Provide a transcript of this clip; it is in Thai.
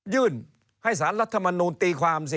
ยื่นให้สารรัฐมนูลตีความสิ